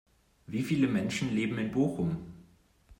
Wie viele Menschen leben in Bochum?